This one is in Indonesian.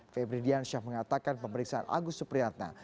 febri diansyah mengatakan pemeriksaan agus supriyatna